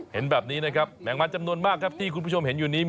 เห็นแบบนี้นะครับแมงมันจำนวนมากครับที่คุณผู้ชมเห็นอยู่นี้